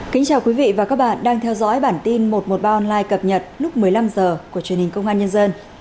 kính chào quý vị và các bạn đang theo dõi bản tin một trăm một mươi ba online cập nhật lúc một mươi năm h của truyền hình công an nhân dân